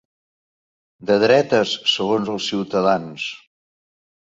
De dretes segons els ciutadans.